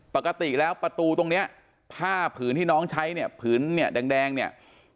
ปกติแล้วประตูตรงเนี้ยผ้าผืนที่น้องใช้เนี่ยผืนเนี่ยแดงเนี่ย